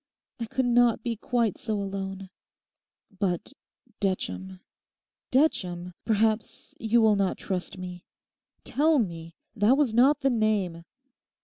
I could not be quite so alone. But Detcham—Detcham? perhaps you will not trust me—tell me? That was not the name.